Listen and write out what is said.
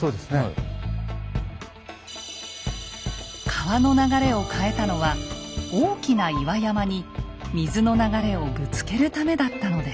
川の流れを変えたのは大きな岩山に水の流れをぶつけるためだったのです。